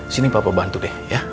sini papa bantu deh